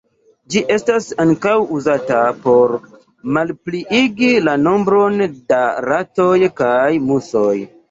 Ĝi estas ankaŭ uzata por malpliigi la nombron da ratoj kaj musoj.